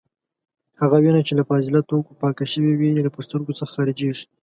هغه وینه چې له فاضله توکو پاکه شوې وي له پښتورګو څخه خارجېږي.